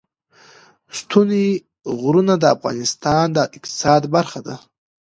ستوني غرونه د افغانستان د اقتصاد برخه ده.